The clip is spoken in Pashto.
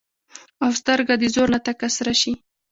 او سترګه د زور نه تکه سره شي